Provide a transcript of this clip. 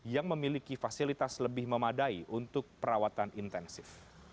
yang memiliki fasilitas lebih memadai untuk perawatan intensif